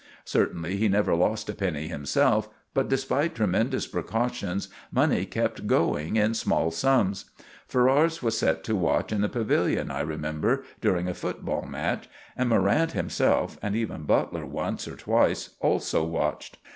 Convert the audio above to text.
Certainly he never lost a penny himself. But, despite tremendous precautions, money kept going in small sums. Ferrars was set to watch in the pavilion, I remember, during a football match, and Morrant himself, and even Butler once or twice, also watched.